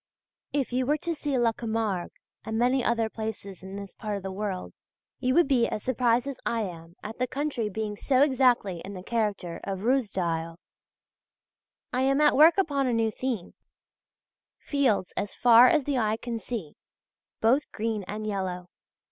If you were to see La Camargue, and many other places in this part of the world, you would be as surprised as I am at the country being so exactly in the character of Ruysdael. I am at work upon a new theme: fields as far as the eye can see, both green and yellow.